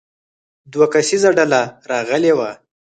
دوه کسیزه ډله راغلې وه.